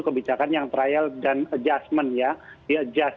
kebijakan yang trial dan adjustment ya